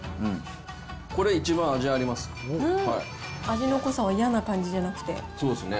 味の濃さが嫌な感じじゃなくそうですね。